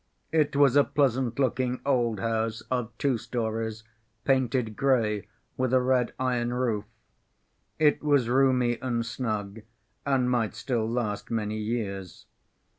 It was a pleasant‐looking old house of two stories, painted gray, with a red iron roof. It was roomy and snug, and might still last many years.